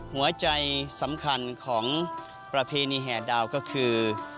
หัวใจสำคัญของประเพณีแห่ดาวก็คือ